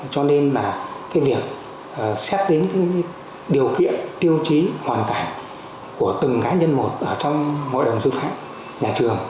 cho nên là cái việc xét tính điều kiện tiêu chí hoàn cảnh của từng cá nhân một ở trong ngôi đồng dư phạm nhà trường